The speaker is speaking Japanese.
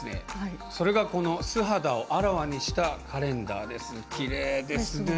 それが、この素肌をあらわにしたカレンダーです、きれいですね。